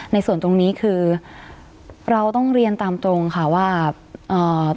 ในส่วนตรงนี้คือเราต้องเรียนตามตรงค่ะว่าอ่า